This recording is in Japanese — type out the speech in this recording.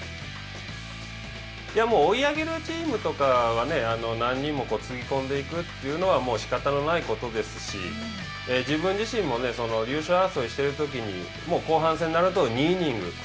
追い上げるチームとかは何人もつぎ込んでいくというのはもうしかたのないことですし自分自身も優勝争いしているときに後半戦になると２イニングス。